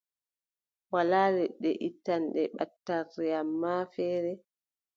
Walaa leɗɗe ittanɗe ɓattarre, ammaa feere,